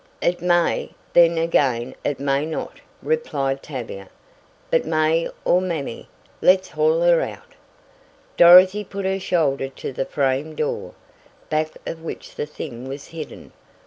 "It may, then again it may not," replied Tavia. "But May or Mamie, let's haul her out." Dorothy put her shoulder to the frame door, back of which the thing was hidden.